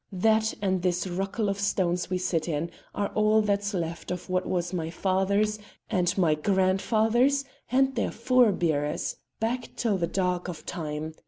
That and this ruckle of stones we sit in are all that's left of what was my father's and my grandfather's and their forebears back till the dark of time.